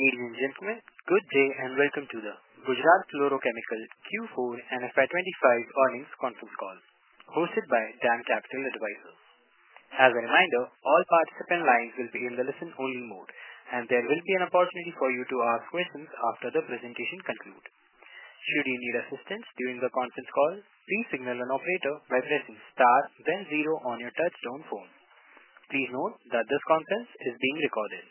Ladies and gentlemen, good day and welcome to the Gujarat Fluorochemicals Q4 and FY25 earnings conference call, hosted by DAM Capital Advisors. As a reminder, all participant lines will be in the listen-only mode, and there will be an opportunity for you to ask questions after the presentation concludes. Should you need assistance during the conference call, please signal an operator by pressing star, then zero on your touchstone phone. Please note that this conference is being recorded.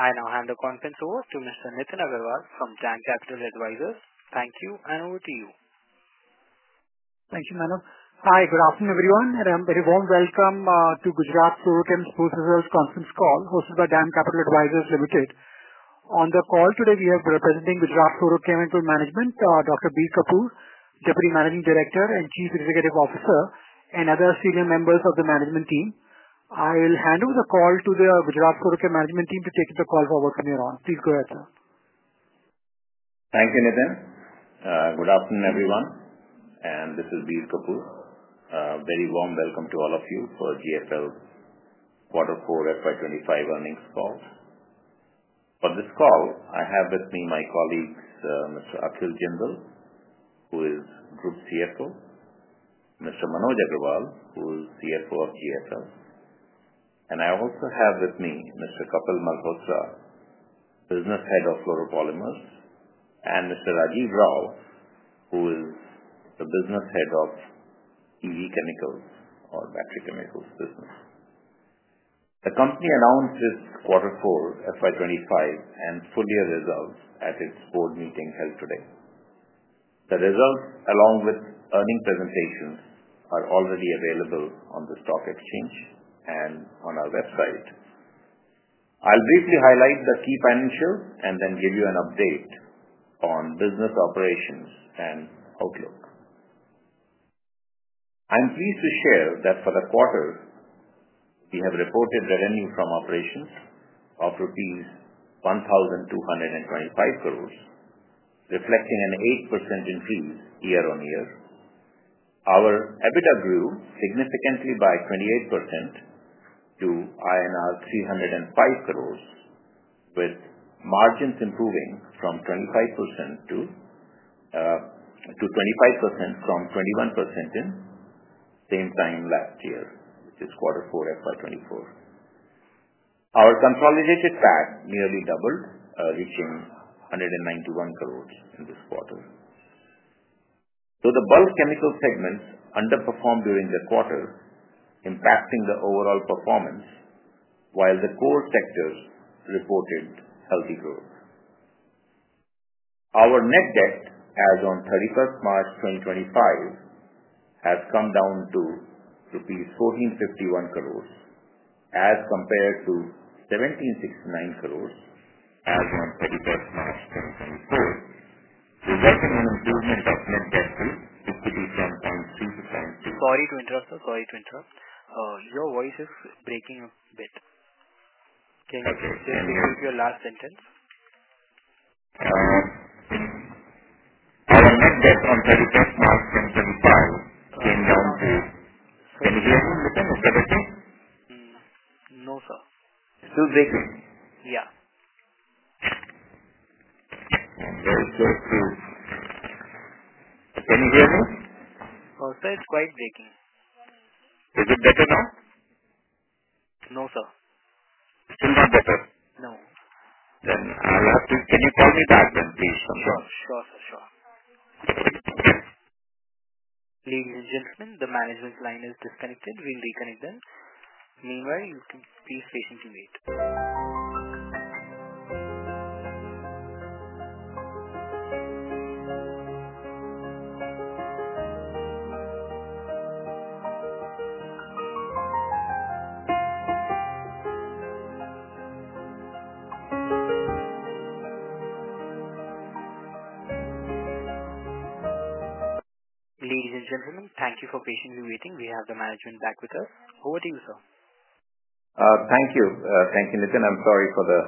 I now hand the conference over to Mr. Nitin Agrawal from DAM Capital Advisors. Thank you, and over to you. Thank you, Manu. Hi, good afternoon, everyone, and a very warm welcome to Gujarat Fluorochemicals Limited, Conference Call, hosted by DAM Capital Advisors Limited. On the call today, we have representing Gujarat Fluorochemicals Management, Dr. Bir Kapoor, Deputy Managing Director and Chief Executive Officer, and other senior members of the management team. I will hand over the call to the Gujarat Fluorochemicals Management team to take the call forward from here on. Please go ahead, sir. Thank you, Nitin. Good afternoon, everyone, and this is Bir Kapoor. A very warm welcome to all of you for GFL quarter four FY2025 earnings call. For this call, I have with me my colleagues, Mr. Akhil Jindal, who is Group CFO, Mr. Manoj Agrawal, who is CFO of GFL, and I also have with me Mr. Kapil Malhotra, Business Head of Fluoropolymers, and Mr. Rajiv Rao, who is the Business Head of EV Chemicals or Battery Chemicals Business. The company announced its Quarter four FY2025 and full-year results at its board meeting held today. The results, along with earning presentations, are already available on the stock exchange and on our website. I'll briefly highlight the key financials and then give you an update on business operations and outlook. I'm pleased to share that for the quarter, we have reported revenue from operations of rupees 1,225 crore, reflecting an 8% increase year-on-year. Our EBITDA grew significantly by 28% to INR 305 crore, with margins improving from 25% to 25% from 21% in the same time last year, which is quarter four FY2024. Our consolidated PAT nearly doubled, reaching 191 crore in this quarter. Though the bulk chemical segments underperformed during the quarter, impacting the overall performance, while the core sectors reported healthy growth. Our net debt, as of 31st March 2025, has come down to rupees 1,451 crore, as compared to 1,769 crore, as of 31st March 2024, resulting in an improvement of net debt to 53.3%. Sorry to interrupt, sir. Sorry to interrupt. Your voice is breaking a bit. Can you just repeat your last sentence? Our net debt on 31st March 2025 came down to. Sorry? Can you hear me, Nitin? Is that okay? No, sir. Still breaking? Yeah. Okay. So it's—can you hear me? Also, it's quite breaking. Is it better now? No, sir. Still not better? No. I will have to—can you call me back then, please? Sure, sir. Sure. Okay. Ladies and gentlemen, the management line is disconnected. We will reconnect them. Meanwhile, you can please patiently wait. Ladies and gentlemen, thank you for patiently waiting. We have the management back with us. Over to you, sir. Thank you. Thank you, Nitin. I'm sorry for the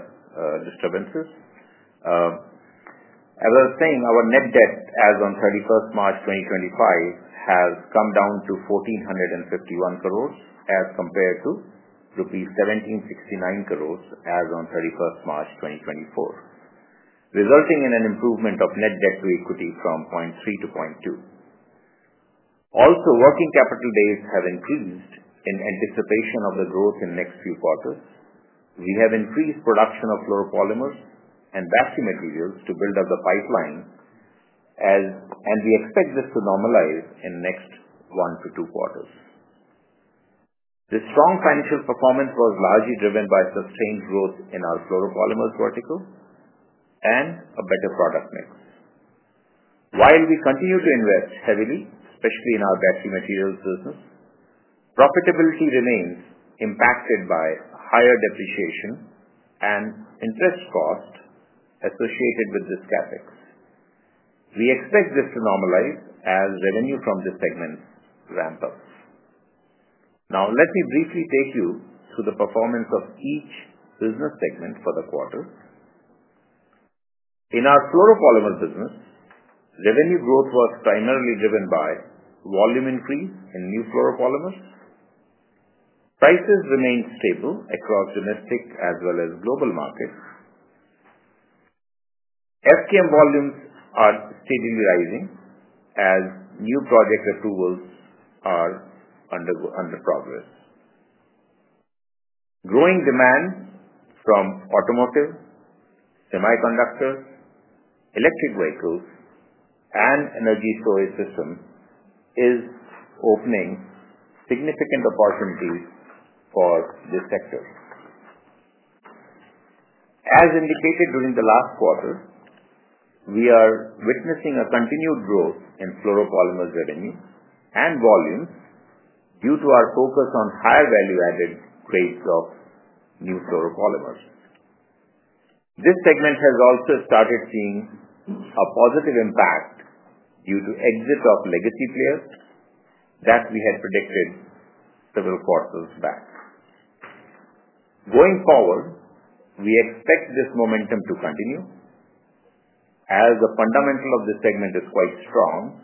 disturbances. As I was saying, our net debt, as of 31st March 2025, has come down to 1,451 crore, as compared to rupees 1,769 crore, as of 31st March 2024, resulting in an improvement of net debt to equity from 0.3 to 0.2. Also, working capital days have increased in anticipation of the growth in the next few quarters. We have increased production of fluoropolymers and battery materials to build up the pipeline, and we expect this to normalize in the next one to two quarters. The strong financial performance was largely driven by sustained growth in our fluoropolymers vertical and a better product mix. While we continue to invest heavily, especially in our battery materials business, profitability remains impacted by higher depreciation and interest cost associated with this CapEx. We expect this to normalize as revenue from this segment ramps up. Now, let me briefly take you through the performance of each business segment for the quarter. In our fluoropolymers business, revenue growth was primarily driven by volume increase in new fluoropolymers. Prices remained stable across domestic as well as global markets. FCM volumes are steadily rising as new project approvals are under progress. Growing demand from automotive, semiconductors, electric vehicles, and energy storage systems is opening significant opportunities for this sector. As indicated during the last quarter, we are witnessing a continued growth in fluoropolymers revenue and volumes due to our focus on higher value-added grades of new fluoropolymers. This segment has also started seeing a positive impact due to the exit of legacy players that we had predicted several quarters back. Going forward, we expect this momentum to continue as the fundamental of this segment is quite strong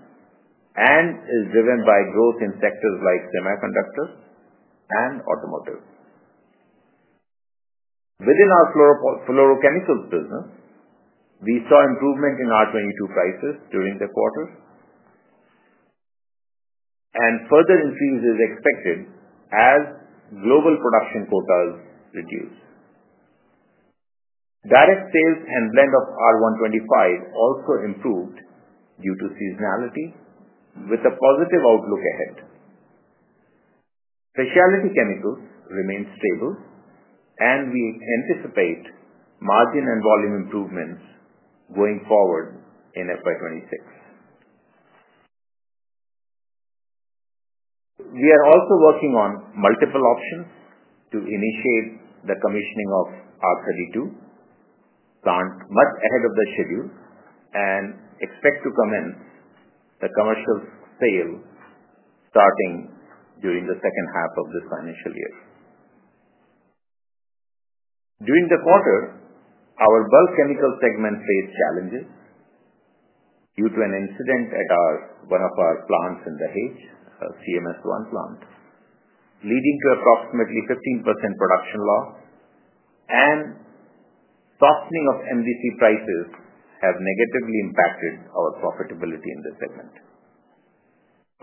and is driven by growth in sectors like semiconductors and automotive. Within our fluorochemicals business, we saw improvement in R22 prices during the quarter, and further increase is expected as global production quotas reduce. Direct sales and blend of R125 also improved due to seasonality, with a positive outlook ahead. Specialty chemicals remain stable, and we anticipate margin and volume improvements going forward in FY2026. We are also working on multiple options to initiate the commissioning of R32, planned much ahead of the schedule, and expect to commence the commercial sale starting during the second half of this financial year. During the quarter, our bulk chemical segment faced challenges due to an incident at one of our plants in Dahej, CMS-1 plant, leading to approximately 15% production loss, and softening of MDC prices have negatively impacted our profitability in this segment.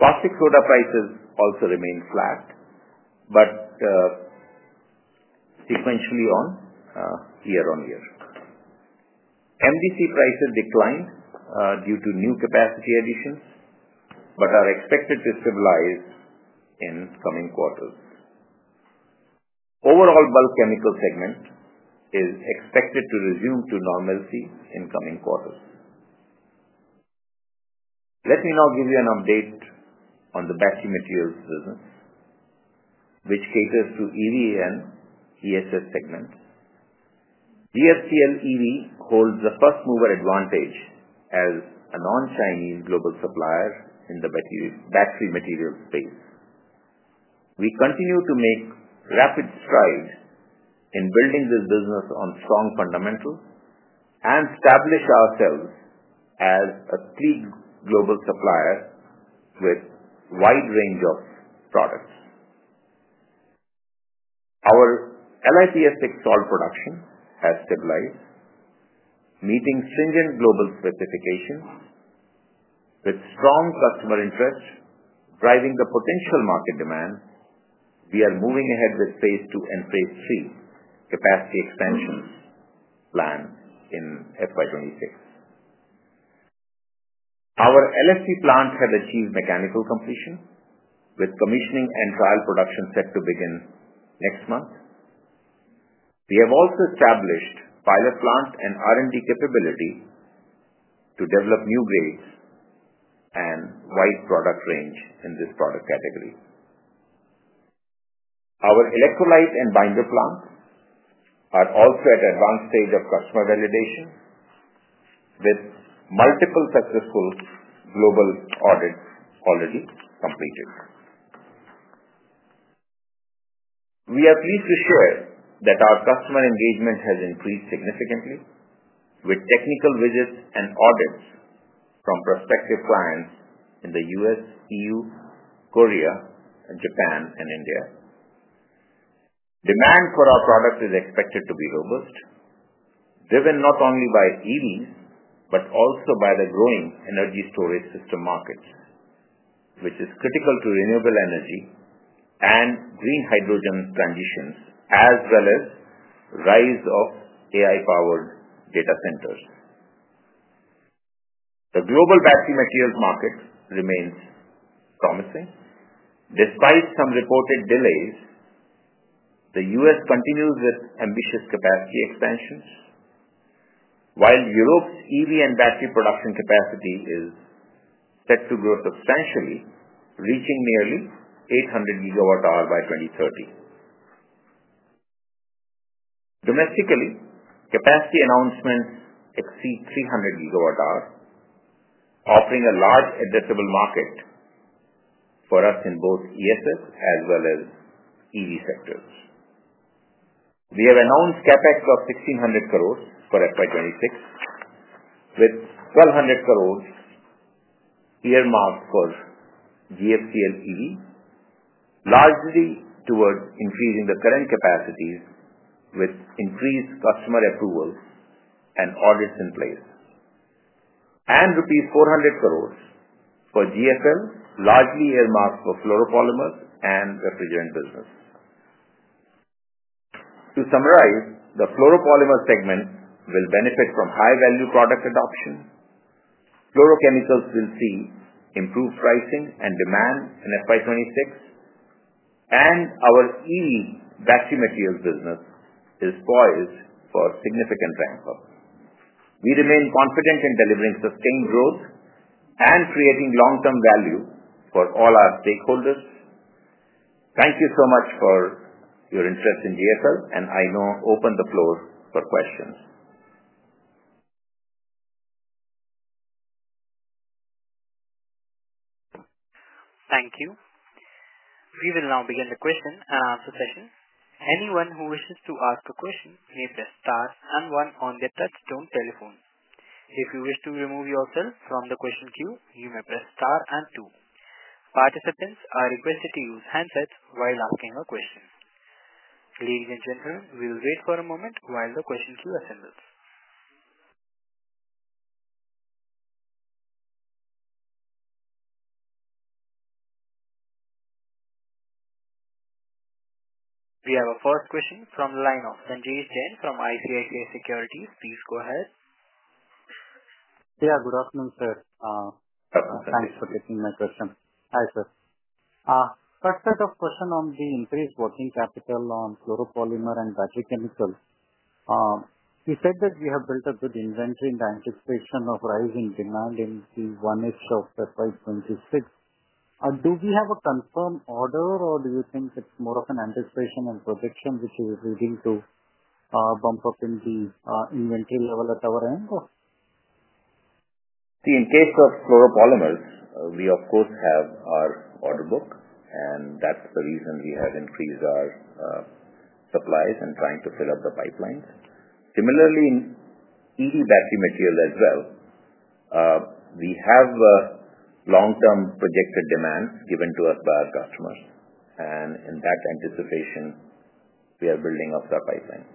Caustic soda prices also remained flat, but sequentially on year-on-year. MDC prices declined due to new capacity additions, but are expected to stabilize in coming quarters. Overall, the bulk chemical segment is expected to resume to normalcy in coming quarters. Let me now give you an update on the battery materials business, which caters to EV and ESS segments. GFCL EV holds the first-mover advantage as a non-Chinese global supplier in the battery materials space. We continue to make rapid strides in building this business on strong fundamentals and establish ourselves as a three-global supplier with a wide range of products. Our LiPF6 salt production has stabilized, meeting stringent global specifications, with strong customer interest driving the potential market demand. We are moving ahead with phase II and phase III capacity expansion plans in FY2026. Our LFP plants have achieved mechanical completion, with commissioning and trial production set to begin next month. We have also established pilot plants and R&D capability to develop new grades and wide product range in this product category. Our electrolyte and binder plants are also at the advanced stage of customer validation, with multiple successful global audits already completed. We are pleased to share that our customer engagement has increased significantly, with technical visits and audits from prospective clients in the U.S., EU, Korea, Japan, and India. Demand for our products is expected to be robust, driven not only by EVs but also by the growing energy storage system markets, which is critical to renewable energy and green hydrogen transitions, as well as the rise of AI-powered data centers. The global battery materials market remains promising. Despite some reported delays, the U.S. continues with ambitious capacity expansions, while Europe's EV and battery production capacity is set to grow substantially, reaching nearly 800 gigawatt-hour by 2030. Domestically, capacity announcements exceed 300 gigawatt-hour, offering a large addressable market for us in both ESS as well as EV sectors. We have announced CapEx of 1,600 crore for FY2026, with 1,200 crore earmarked for GFCL EV, largely towards increasing the current capacities with increased customer approvals and audits in place, and rupees 400 crore for GFL, largely earmarked for fluoropolymers and refrigerant business. To summarize, the fluoropolymers segment will benefit from high-value product adoption. Fluorochemicals will see improved pricing and demand in FY2026, and our EV battery materials business is poised for significant ramp-up. We remain confident in delivering sustained growth and creating long-term value for all our stakeholders. Thank you so much for your interest in GFL, and I now open the floor for questions. Thank you. We will now begin the question and answer session. Anyone who wishes to ask a question may press star and one on their touchstone telephone. If you wish to remove yourself from the question queue, you may press star and two. Participants are requested to use handsets while asking a question. Ladies and gentlemen, we will wait for a moment while the question queue assembles. We have a first question from the line of Sanjesh Jain from ICICI Securities. Please go ahead. Yeah, good afternoon, sir. Thanks for taking my question. Hi, sir. First set of questions on the increased working capital on fluoropolymers and battery chemicals. You said that we have built a good inventory in the anticipation of rising demand in the first half of fiscal year 2026. Do we have a confirmed order, or do you think it's more of an anticipation and projection which is leading to a bump up in the inventory level at our end? See, in case of fluoropolymers, we, of course, have our order book, and that's the reason we have increased our supplies and trying to fill up the pipelines. Similarly, in EV battery materials as well, we have long-term projected demands given to us by our customers, and in that anticipation, we are building up the pipeline.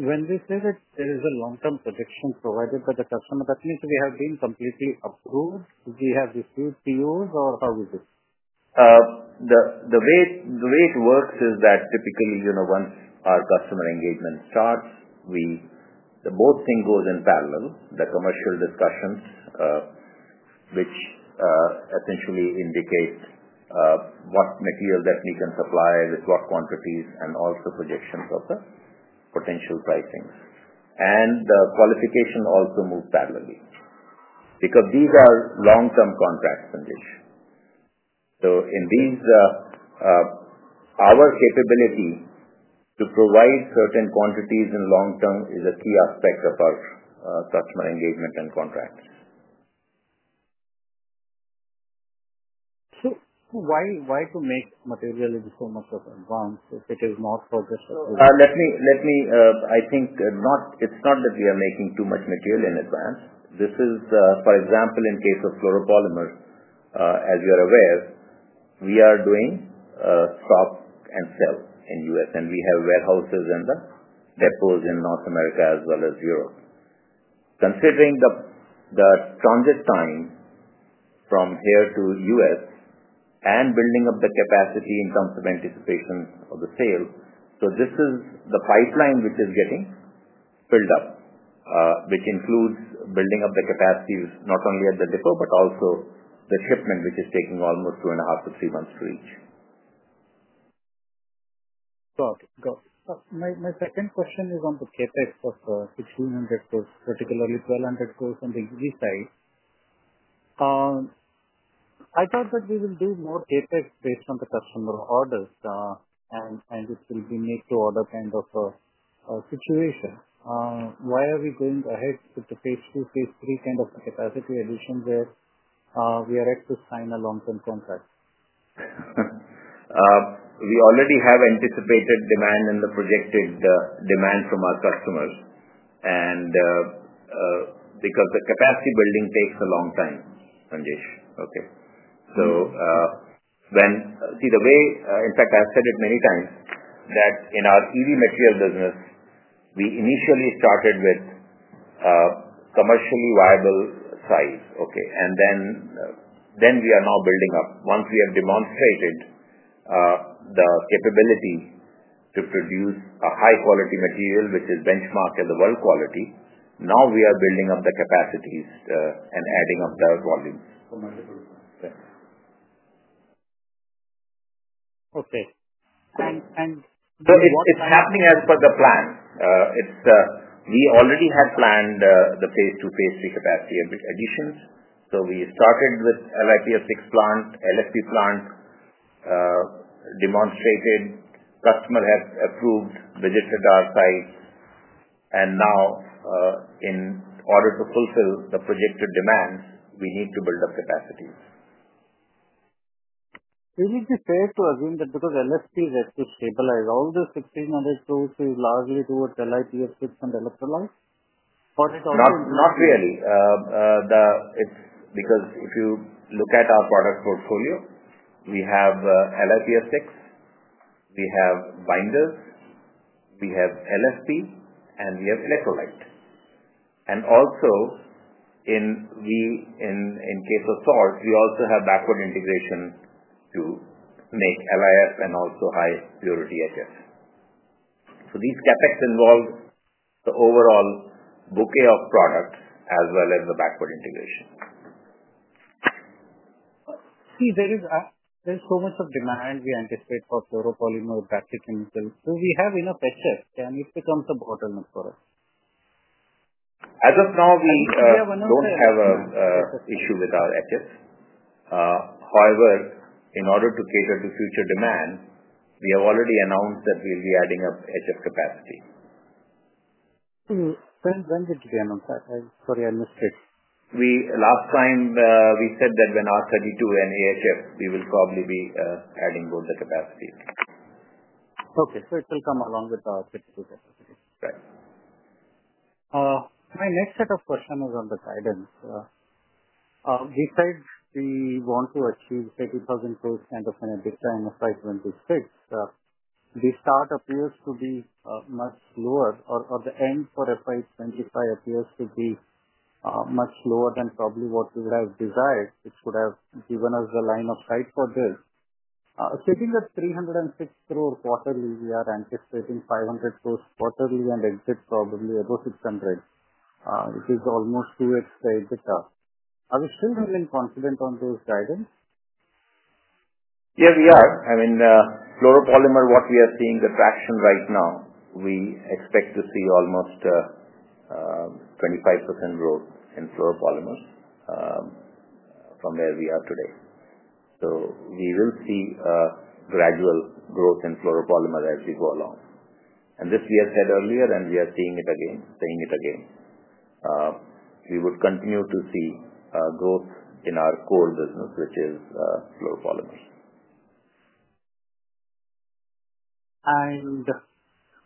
When you say that there is a long-term projection provided by the customer, that means we have been completely approved? We have received POs, or how is it? The way it works is that typically, once our customer engagement starts, both things go in parallel: the commercial discussions, which essentially indicate what material that we can supply with what quantities, and also projections of the potential pricings. The qualification also moves parallelly because these are long-term contracts, Sanjesh. In these, our capability to provide certain quantities in the long term is a key aspect of our customer engagement and contracts. Why to make material in so much advance if it is not progressed? Let me, I think, it's not that we are making too much material in advance. This is, for example, in case of fluoropolymers, as you are aware, we are doing stock and sell in the U.S., and we have warehouses and depots in North America as well as Europe. Considering the transit time from here to the U.S. and building up the capacity in terms of anticipation of the sale, this is the pipeline which is getting filled up, which includes building up the capacity not only at the depot but also the shipment, which is taking almost two and a half to three months to reach. Got it. Got it. My second question is on the CapEx of 1,600 crores, particularly 1,200 crores on the EV side. I thought that we will do more CapEx based on the customer orders, and it will be made to order kind of a situation. Why are we going ahead with the phase II, phase III kind of capacity addition where we are ready to sign a long-term contract? We already have anticipated demand and the projected demand from our customers, and because the capacity building takes a long time, Sanjesh. Okay. See, the way in fact, I've said it many times that in our EV material business, we initially started with commercially viable size. Okay. We are now building up. Once we have demonstrated the capability to produce a high-quality material which is benchmarked at the world quality, now we are building up the capacities and adding up the volumes. Okay. And. It's happening as per the plan. We already had planned the phase II, phase III capacity additions. We started with LiPF6 plant, LFP plant, demonstrated, customer has approved, visited our sites, and now, in order to fulfill the projected demands, we need to build up capacity. We need to say to assume that because LFP is actually stabilized, all this 1,600 crore is largely towards LiPF6 and electrolytes? Not really. Because if you look at our product portfolio, we have LiPF6, we have binders, we have LFP, and we have electrolyte. Also, in case of salt, we also have backward integration to make LiS and also high-purity HF. These CapEx involve the overall bouquet of products as well as the backward integration. See, there is so much demand we anticipate for fluoropolymers and battery chemicals. Do we have enough HF, and it becomes a bottleneck for us? As of now, we don't have an issue with our HF. However, in order to cater to future demand, we have already announced that we'll be adding up HF capacity. When did you announce that? Sorry, I missed it. Last time, we said that when R32 and HS, we will probably be adding both the capacity. Okay. So it will come along with the R32 capacity. Right. My next set of questions is on the guidance. Besides we want to achieve 30,000 crore kind of an addition in FY 2026, the start appears to be much slower, or the end for FY 2025 appears to be much slower than probably what we would have desired, which would have given us the line of sight for this. Sitting at 306 crore quarterly, we are anticipating 500 crore quarterly and exit probably above 600 crore, which is almost 2x the exit cost. Are we still feeling confident on those guidance? Yeah, we are. I mean, fluoropolymers, what we are seeing the traction right now, we expect to see almost 25% growth in fluoropolymers from where we are today. We will see a gradual growth in fluoropolymers as we go along. This we have said earlier, and we are seeing it again, saying it again. We would continue to see growth in our core business, which is fluoropolymers.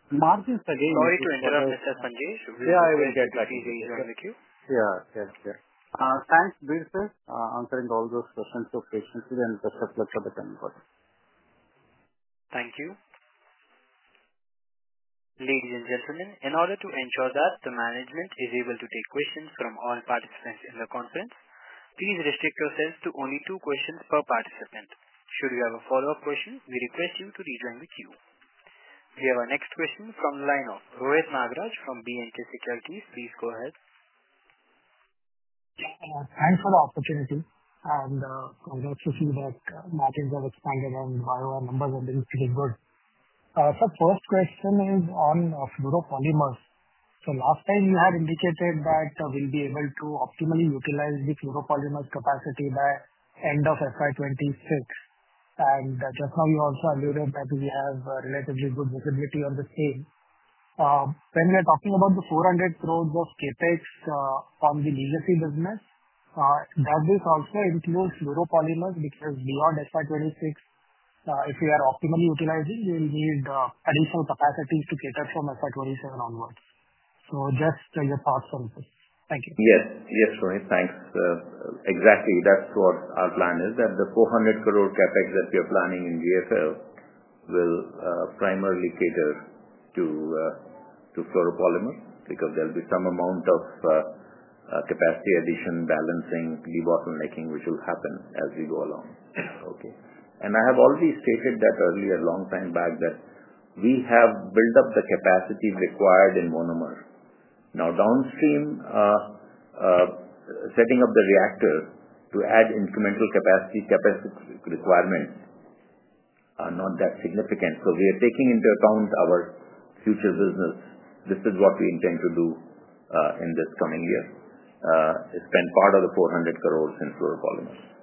Martin, again. Sorry to interrupt, Mr. Sanjesh. Yeah, I will get back to you in the queue. Yeah. Thanks, Bir Kapoor, for answering all those questions so patiently and respectfully for the time you've gotten. Thank you. Ladies and gentlemen, in order to ensure that the management is able to take questions from all participants in the conference, please restrict yourselves to only two questions per participant. Should you have a follow-up question, we request you to rejoin the queue. We have our next question from the line of Rohit Nagraj from B&K Securities. Please go ahead. Thanks for the opportunity, and congrats to see that margins have expanded and while our numbers are being pretty good. First question is on fluoropolymers. Last time, you had indicated that we will be able to optimally utilize the fluoropolymers capacity by end of FY2026. Just now, you also alluded that we have relatively good visibility on the scale. When we are talking about the INR 400 crore of CapEx on the legacy business, does this also include fluoropolymers? Because beyond FY2026, if we are optimally utilizing, we will need additional capacity to cater from FY2027 onwards. Just your thoughts on this. Thank you. Yes. Yes, Rohit. Thanks. Exactly. That is what our plan is, that the 400 crore CapEx that we are planning in GFL will primarily cater to fluoropolymers because there will be some amount of capacity addition, balancing, debottlenecking, which will happen as we go along. Okay. I have already stated that earlier, a long time back, that we have built up the capacity required in monomer. Now, downstream, setting up the reactor to add incremental capacity requirements are not that significant. We are taking into account our future business. This is what we intend to do in this coming year, spend part of the 400 crore in fluoropolymers. Got it,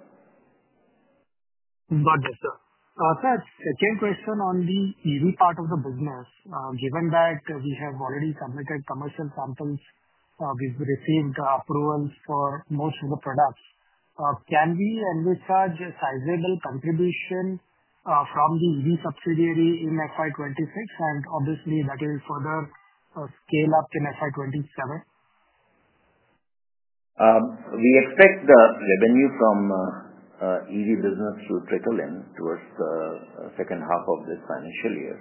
sir. Sir, a second question on the EV part of the business. Given that we have already submitted commercial samples, we've received approvals for most of the products, can we envisage a sizable contribution from the EV subsidiary in FY 2026? Obviously, that will further scale up in FY 2027. We expect the revenue from EV business to trickle in towards the second half of this financial year.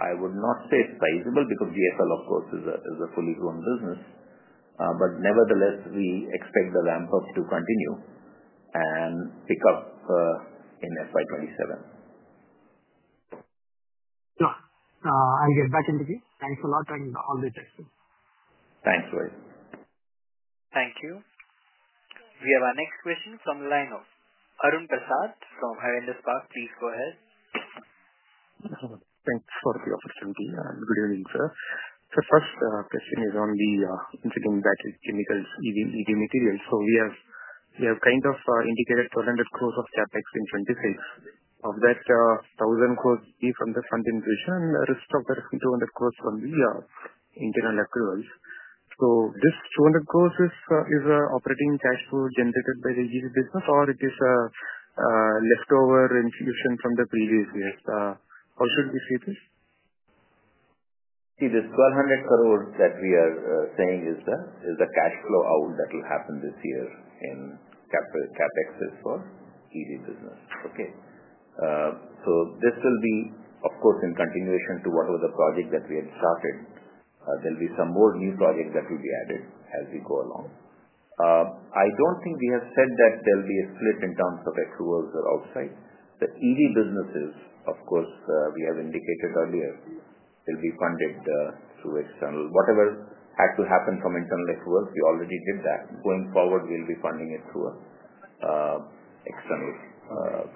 I would not say sizable because GFL, of course, is a fully grown business. Nevertheless, we expect the ramp-up to continue and pick up in FY 2027. Sure. I'll get back into the queue. Thanks a lot, and all the best. Thanks, Rohit. Thank you. We have our next question from the line of Arun Prasad from Awendas Park. Please go ahead. Thanks for the opportunity and good evening, sir. First question is on the incident battery chemicals, EV materials. We have kind of indicated 1,200 crore of CapEx in 2026. Of that, 1,000 crore will be from the funding division, and the rest of the 200 crore from the internal accruals. This 200 crore is operating cash flow generated by the EV business, or is it a leftover inflation from the previous years? How should we see this? See, this 1,200 crore that we are saying is the cash flow out that will happen this year in CapEx for EV business. Okay. This will be, of course, in continuation to whatever the project that we had started. There will be some more new projects that will be added as we go along. I do not think we have said that there will be a split in terms of accruals or outside. The EV business, of course, we have indicated earlier, will be funded through external. Whatever had to happen from internal accruals, we already did that. Going forward, we will be funding it through external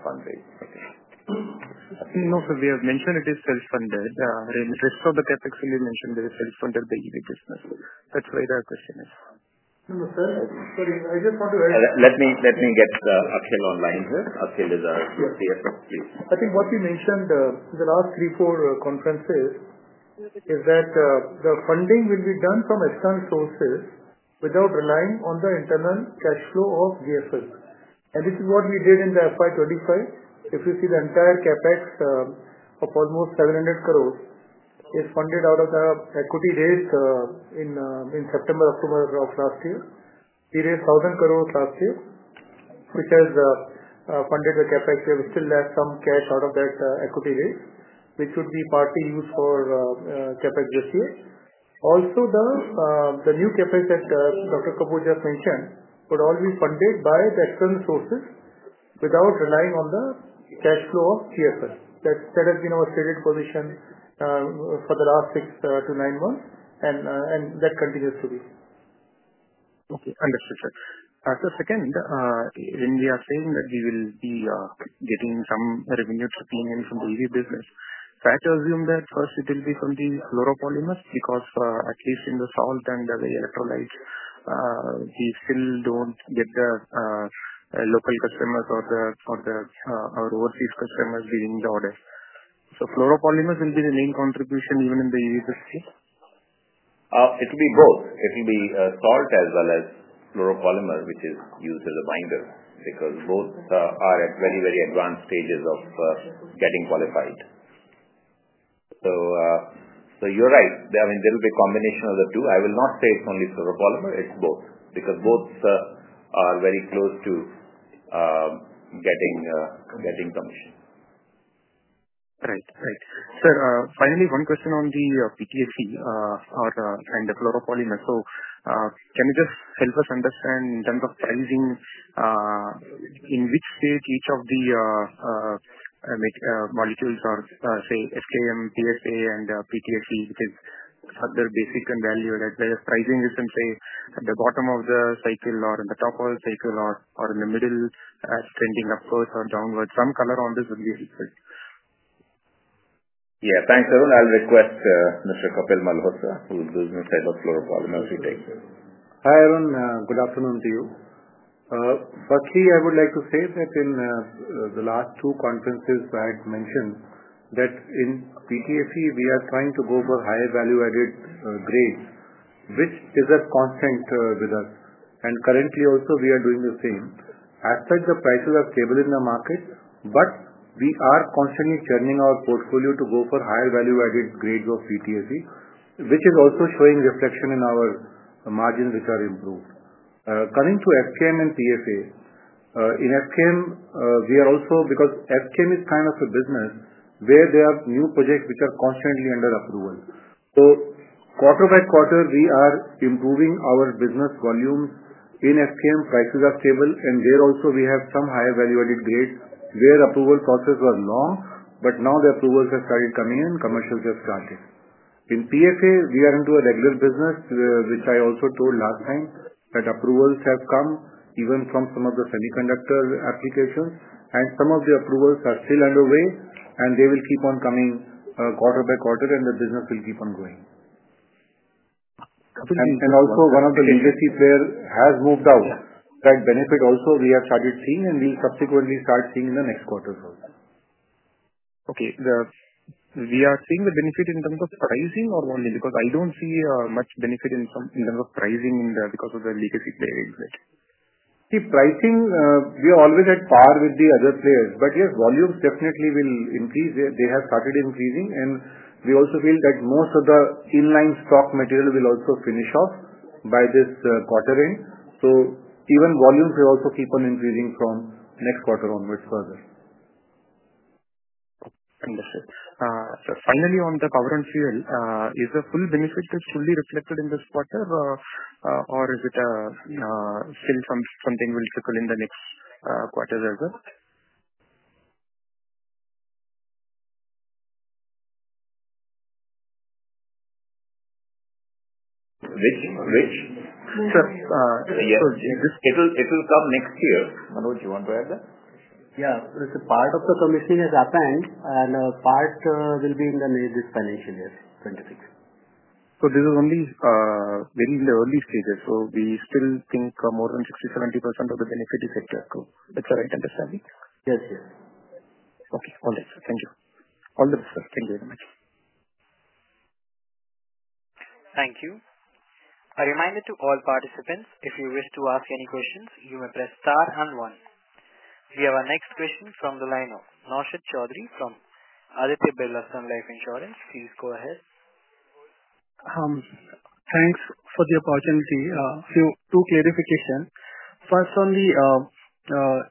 fundraising. No, sir, we have mentioned it is self-funded. The rest of the CapEx will be mentioned as self-funded by EV business. That is why the question is. No, sir. Sorry, I just want to. Let me get Akhil on line here. Akhil is our CFO. Please. I think what you mentioned in the last three, four conferences is that the funding will be done from external sources without relying on the internal cash flow of GFL. This is what we did in FY 2025. If you see, the entire CapEx of almost 700 crore is funded out of the equity raise in September, October of last year. We raised 1,000 crore last year, which has funded the CapEx here. We still left some cash out of that equity raise, which would be partly used for CapEx this year. Also, the new CapEx that Dr. Kapoor just mentioned would all be funded by the external sources without relying on the cash flow of GFL. That has been our stated position for the last six to nine months, and that continues to be. Okay. Understood, sir. Second, when we are saying that we will be getting some revenue trickling in from the EV business, I have to assume that first it will be from the fluoropolymers because at least in the salt and the electrolytes, we still do not get the local customers or our overseas customers giving the orders. Fluoropolymers will be the main contribution even in the EV business? It will be both. It will be salt as well as fluoropolymer, which is used as a binder because both are at very, very advanced stages of getting qualified. You are right. I mean, there will be a combination of the two. I will not say it is only fluoropolymer. It is both because both are very close to getting commission. Right. Right. Sir, finally, one question on the PTFE and the fluoropolymers. Can you just help us understand in terms of pricing in which stage each of the molecules are, say, SKM, PFA, and PTFE, which is further basic and valued, as well as pricing is in, say, at the bottom of the cycle or in the top of the cycle or in the middle, trending upwards or downwards? Some color on this would be helpful. Yeah. Thanks, Arun. I'll request Mr. Kapil Malhotra, who's the Business Head of Fluoropolymers, who takes it. Hi, Arun. Good afternoon to you. Firstly, I would like to say that in the last two conferences, I had mentioned that in PTFE, we are trying to go for higher value-added grades, which is a constant with us. Currently, also, we are doing the same. As such, the prices are stable in the market, but we are constantly churning our portfolio to go for higher value-added grades of PTFE, which is also showing reflection in our margins, which are improved. Coming to SKM and PSA, in SKM, we are also because SKM is kind of a business where there are new projects which are constantly under approval. Quarter-by-quarter, we are improving our business volumes. In SKM, prices are stable, and there also, we have some higher value-added grades where approval process was long, but now the approvals have started coming in. Commercials have started. In PFA, we are into a regular business, which I also told last time that approvals have come even from some of the semiconductor applications, and some of the approvals are still underway, and they will keep on coming quarter-by-quarter, and the business will keep on going. Also, one of the legacy players has moved out. That benefit also, we have started seeing, and we'll subsequently start seeing in the next quarters also. Okay. We are seeing the benefit in terms of pricing or volume? Because I do not see much benefit in terms of pricing because of the legacy players. See, pricing, we are always at par with the other players. Yes, volumes definitely will increase. They have started increasing, and we also feel that most of the inline stock material will also finish off by this quarter end. Even volumes will also keep on increasing from next quarter onwards further. Understood. So finally, on the power and fuel, is the full benefit fully reflected in this quarter, or is it still something will trickle in the next quarters as well? Which? Sir, so it will come next year. Manoj, you want to add that? Yeah. Part of the commissioning has happened, and part will be in this financial year, 2026. This is only very in the early stages. We still think more than 60%-70% of the benefit is sector. That's the right understanding? Yes. Yes. Okay. All right. Thank you. All the best, sir. Thank you very much. Thank you. A reminder to all participants, if you wish to ask any questions, you may press star and one. We have our next question from the line of Naushad Chaudry from Aditya Birla Sun Life Insurance. Please go ahead. Thanks for the opportunity. A few clarifications. First, on the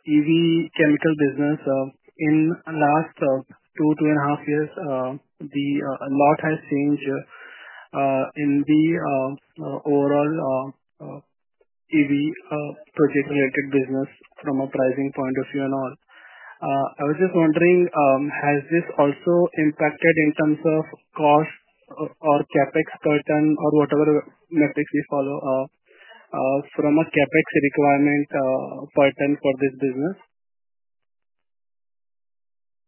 EV chemical business, in the last two, two and a half years, a lot has changed in the overall EV project-related business from a pricing point of view and all. I was just wondering, has this also impacted in terms of cost or CapEx pattern or whatever metrics we follow from a CapEx requirement pattern for this business?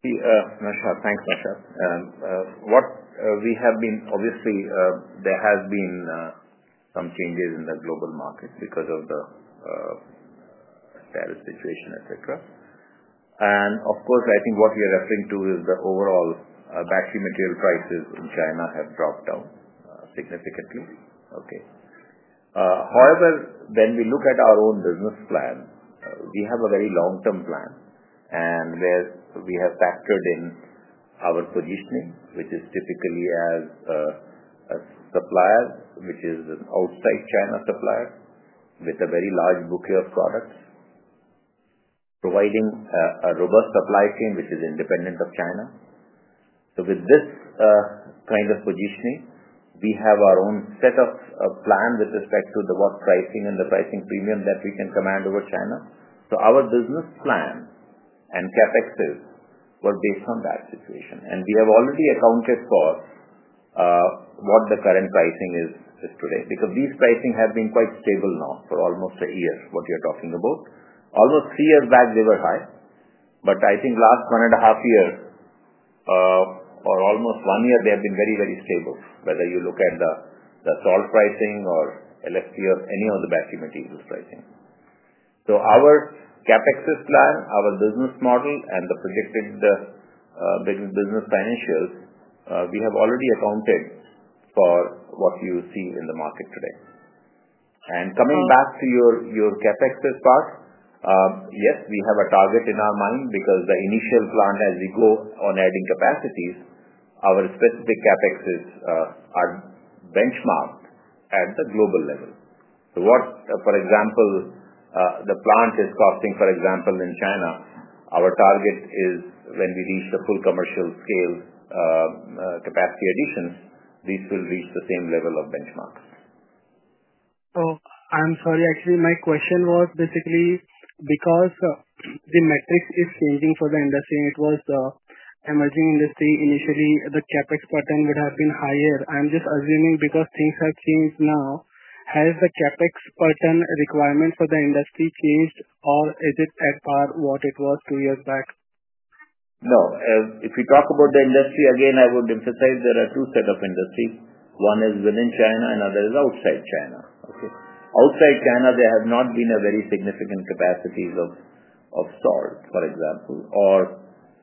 Naushad, thanks, Naushad. Obviously, there have been some changes in the global market because of the tariff situation, etc. Of course, I think what we are referring to is the overall battery material prices in China have dropped down significantly. Okay. However, when we look at our own business plan, we have a very long-term plan, and where we have factored in our positioning, which is typically as a supplier, which is an outside China supplier with a very large bouquet of products, providing a robust supply chain, which is independent of China. With this kind of positioning, we have our own set of plan with respect to the pricing and the pricing premium that we can command over China. Our business plan and CapEx were based on that situation. We have already accounted for what the current pricing is today because these pricing have been quite stable now for almost a year, what you're talking about. Almost three years back, they were high. I think last one and a half years or almost one year, they have been very, very stable, whether you look at the salt pricing or LFP or any of the battery materials pricing. Our CapEx plan, our business model, and the predicted business financials, we have already accounted for what you see in the market today. Coming back to your CapEx part, yes, we have a target in our mind because the initial plan, as we go on adding capacities, our specific CapEx are benchmarked at the global level. What, for example, the plant is costing, for example, in China, our target is when we reach the full commercial scale capacity addition, these will reach the same level of benchmarks. Oh, I'm sorry. Actually, my question was basically because the metrics is changing for the industry. It was the emerging industry. Initially, the CapEx pattern would have been higher. I'm just assuming because things have changed now, has the CapEx pattern requirement for the industry changed, or is it at par what it was two years back? No. If you talk about the industry, again, I would emphasize there are two sets of industries. One is within China, and another is outside China. Okay. Outside China, there have not been very significant capacities of salt, for example, or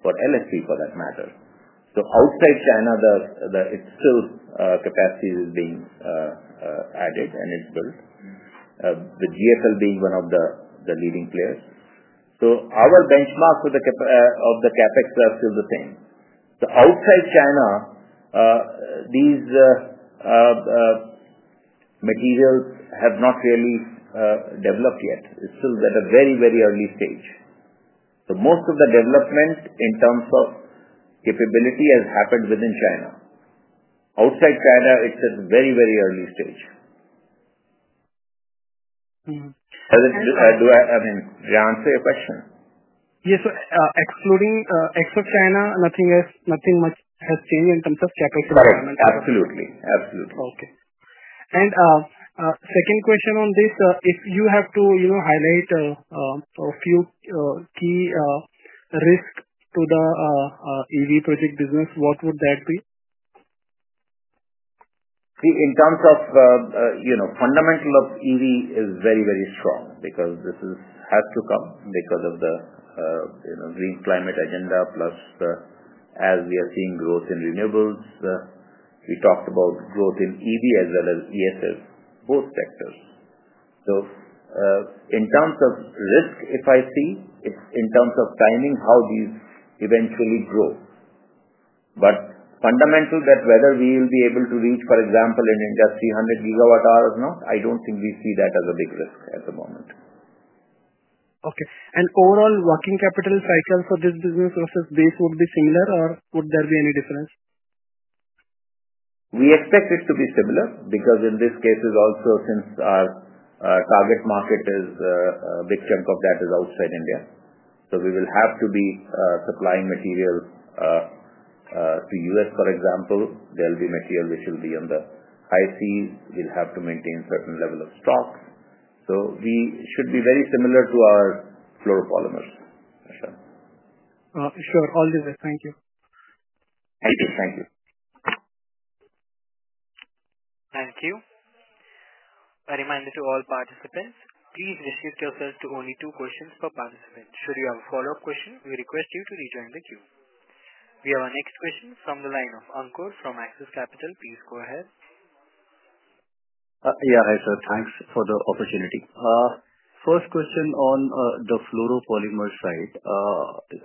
for LFP, for that matter. Outside China, capacity is being added and it's built, with GFL being one of the leading players. Our benchmarks of the CapEx are still the same. Outside China, these materials have not really developed yet. It's still at a very, very early stage. Most of the development in terms of capability has happened within China. Outside China, it's at a very, very early stage. Do I answer your question? Yes. So excluding ex of China, nothing much has changed in terms of CapEx requirement. Correct. Absolutely. Absolutely. Okay. Second question on this, if you have to highlight a few key risks to the EV project business, what would that be? See, in terms of fundamental of EV is very, very strong because this has to come because of the green climate agenda, plus as we are seeing growth in renewables. We talked about growth in EV as well as ESS, both sectors. In terms of risk, if I see, it's in terms of timing how these eventually grow. Fundamental, that whether we will be able to reach, for example, in India, 300 gigawatt hours or not, I don't think we see that as a big risk at the moment. Okay. Overall, working capital cycle for this business versus this would be similar, or would there be any difference? We expect it to be similar because in this case, it's also since our target market is a big chunk of that is outside India. We will have to be supplying material to the US. For example, there will be material which will be on the high seas. We will have to maintain a certain level of stocks. We should be very similar to our fluoropolymers, Naushad. Sure. All the best. Thank you. Thank you. Thank you. Thank you. A reminder to all participants, please restrict yourself to only two questions per participant. Should you have a follow-up question, we request you to rejoin the queue. We have our next question from the line of Ankur from Axis Capital. Please go ahead. Yeah. Hi, sir. Thanks for the opportunity. First question on the fluoropolymers side.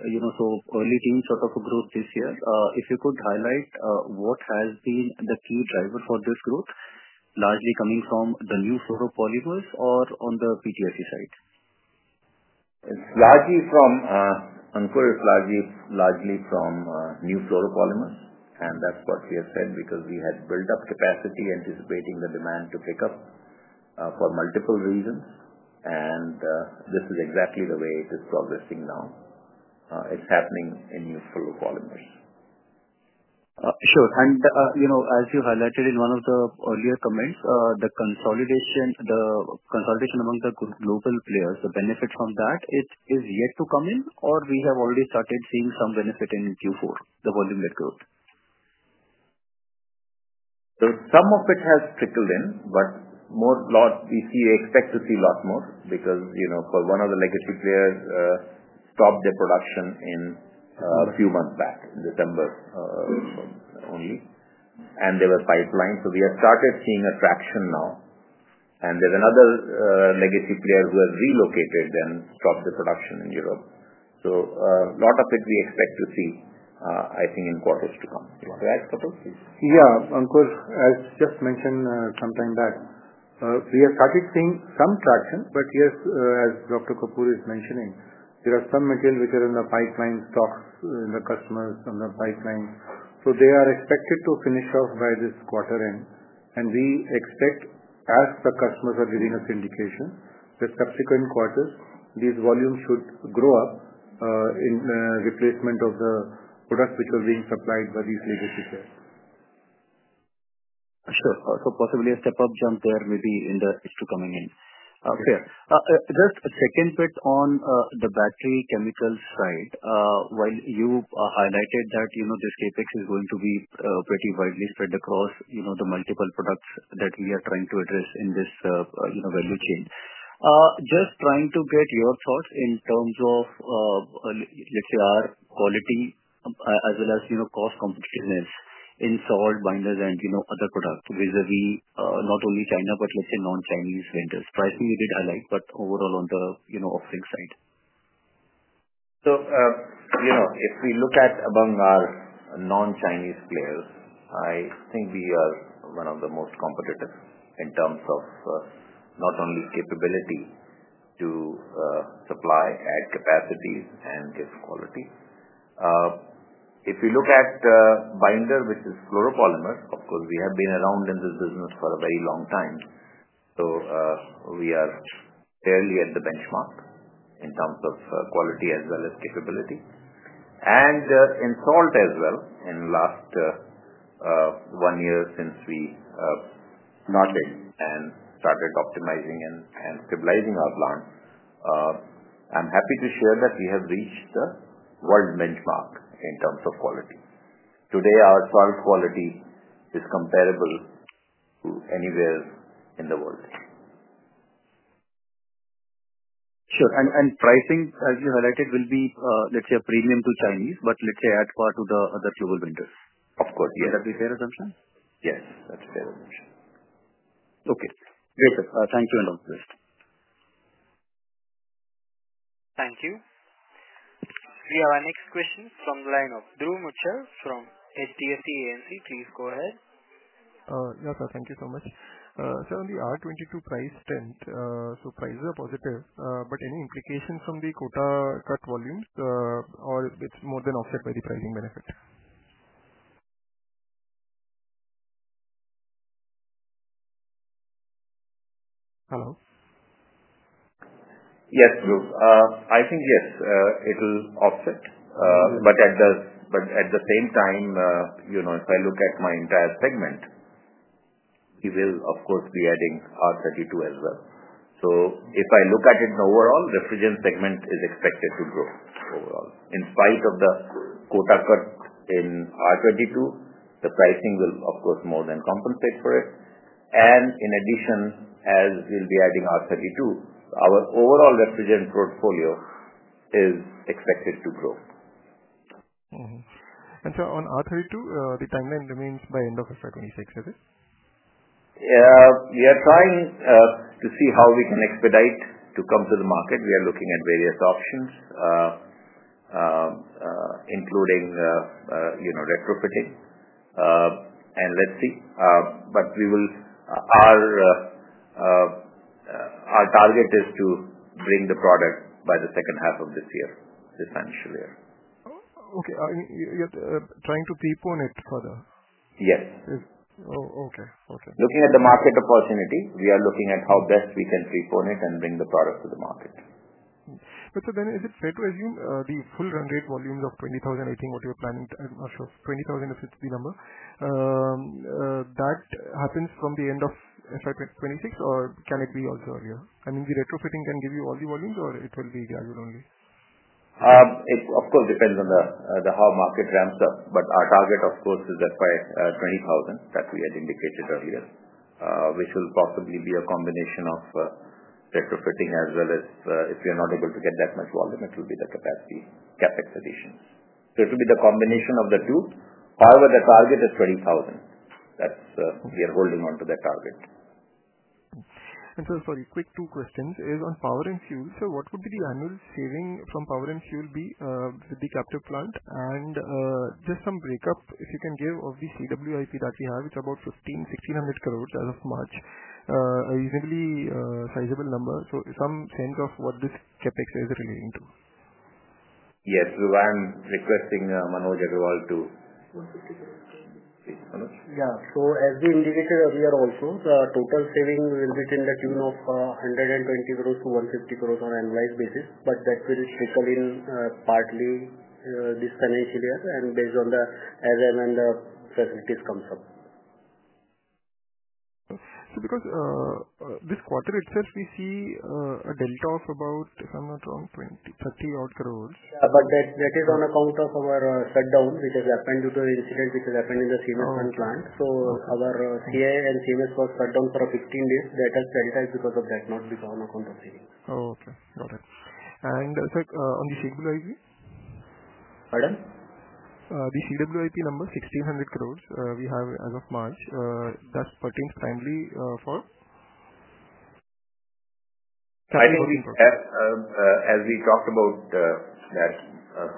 Early themes, sort of a growth this year. If you could highlight what has been the key driver for this growth, largely coming from the new fluoropolymers or on the PTFE side? It's largely from Ankur, is largely from new fluoropolymers, and that's what we have said because we had built up capacity anticipating the demand to pick up for multiple reasons. This is exactly the way it is progressing now. It's happening in new fluoropolymers. Sure. As you highlighted in one of the earlier comments, the consolidation among the global players, the benefit from that, is it yet to come in, or have we already started seeing some benefit in Q4, the volume, that growth? Some of it has trickled in, but we expect to see a lot more because one of the legacy players stopped their production a few months back, December only, and they were pipeline. We have started seeing traction now. There is another legacy player who has relocated and stopped the production in Europe. A lot of it we expect to see, I think, in quarters to come. I suppose, please. Yeah. Ankur, as just mentioned some time back, we have started seeing some traction, but yes, as Dr. Kapoor is mentioning, there are some material which are in the pipeline stocks in the customers on the pipeline. They are expected to finish off by this quarter end. We expect, as the customers are giving us indication, the subsequent quarters, these volumes should grow up in replacement of the products which are being supplied by these legacy players. Sure. Possibly a step-up jump there maybe in the, to coming in. Fair. Just a second bit on the battery chemical side. While you highlighted that this CapEx is going to be pretty widely spread across the multiple products that we are trying to address in this value chain, just trying to get your thoughts in terms of, let's say, our quality as well as cost competitiveness in salt, binders, and other products vis-à-vis not only China, but let's say non-Chinese vendors. Pricing you did highlight, but overall on the offering side. If we look at among our non-Chinese players, I think we are one of the most competitive in terms of not only capability to supply, add capacity, and give quality. If you look at binder, which is fluoropolymers, of course, we have been around in this business for a very long time. We are barely at the benchmark in terms of quality as well as capability. In salt as well, in the last one year since we got it and started optimizing and stabilizing our plant, I am happy to share that we have reached the world benchmark in terms of quality. Today, our salt quality is comparable to anywhere in the world. Sure. Pricing, as you highlighted, will be, let's say, a premium to Chinese, but let's say at par to the other global vendors. Of course. Yes. Would that be a fair assumption? Yes. That's a fair assumption. Okay. Great, sir. Thank you and all the best. Thank you. We have our next question from the line of Dhruv Muchhal from HDFC Securities. Please go ahead. Yes, sir. Thank you so much. Sir, on the R22 price trend, so prices are positive, but any implication from the quota cut volumes, or it's more than offset by the pricing benefit? Hello? Yes, Dhruv. I think yes, it will offset. At the same time, if I look at my entire segment, we will, of course, be adding R32 as well. If I look at it overall, refrigerant segment is expected to grow overall. In spite of the quota cut in R22, the pricing will, of course, more than compensate for it. In addition, as we will be adding R32, our overall refrigerant portfolio is expected to grow. Sir, on R32, the timeline remains by end of FY2026, is it? We are trying to see how we can expedite to come to the market. We are looking at various options, including retrofitting. Let's see. Our target is to bring the product by the second half of this year, this financial year. Okay. You're trying to prepone it further? Yes. Oh, okay. Okay. Looking at the market opportunity, we are looking at how best we can prepone it and bring the product to the market. Sir, then is it fair to assume the full run rate volumes of 20,000, I think what you're planning, 20,000 if it's the number, that happens from the end of FY2026, or can it be also earlier? I mean, the retrofitting can give you all the volumes, or it will be gradually only? It of course depends on how the market ramps up. Our target, of course, is FY 20,000 that we had indicated earlier, which will possibly be a combination of retrofitting as well as if we are not able to get that much volume, it will be the capacity CapEx additions. It will be the combination of the two. However, the target is 20,000. We are holding on to that target. Sir, sorry, quick two questions. On power and fuel, sir, what would be the annual saving from power and fuel be with the captive plant? And just some breakup, if you can give of the CWIP that we have, it's about 1,500 crore-1,600 crore as of March, a reasonably sizable number. So some sense of what this CapEx is relating to? Yes. I'm requesting Manoj Agrawal to. INR 150 crores. Please, Manoj. Yeah. As we indicated earlier also, the total saving will be in the tune of 120 crore-150 crore on an annualized basis. That will trickle in partly this financial year and based on the SM and the facilities comes up. Because this quarter itself, we see a delta of about, if I'm not wrong, 30-odd crore. Yeah. That is on account of our shutdown, which has happened due to the incident which has happened in the CMS-1 plant. Our Dahej and CMS was shut down for 15 days. That has delta because of that, not because of the saving. Oh, okay. Got it. And sir, on the CWIP? Pardon? The CWIP number, 1,600 crore we have as of March, that pertains primarily for? I think as we talked about that,